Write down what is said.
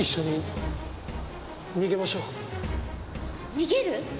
逃げる！？